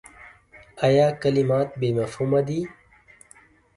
ایا کلمات بې مفهومه دي ؟